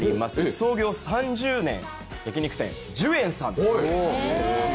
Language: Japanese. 創業３０年、焼き肉店の寿苑さんです